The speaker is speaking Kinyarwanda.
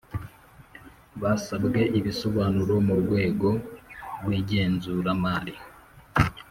Basabwwe ibisobanuro mu rwego rw’ igenzuramari